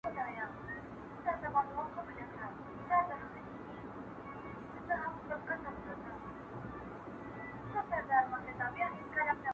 دا کیسه د ماتو شوو ارمانونو او هیلو یو ریښتونی او تریخ انځور دی.